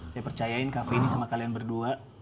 saya percayain kafe ini sama kalian berdua